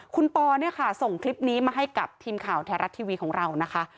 คุณปอเนี่ยค่ะส่งคลิปนี้มาให้กับทีมข่าวไทยรัฐทีวีของเรานะคะ